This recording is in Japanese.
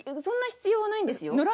そんな必要はないんですよ。